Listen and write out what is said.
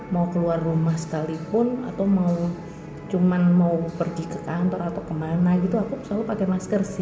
mau keluar rumah sekalipun atau mau cuma mau pergi ke kantor atau kemana gitu aku selalu pakai masker sih